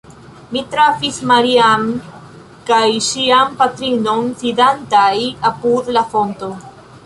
Mi trafis Maria-Ann kaj ŝian patrinon sidantaj apud la fonto.